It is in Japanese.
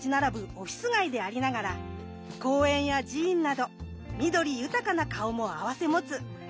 オフィス街でありながら公園や寺院など緑豊かな顔も併せ持つ観光客にも人気のエリアです。